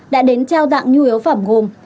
đã đến trao tặng nhu yếu phẩm gồm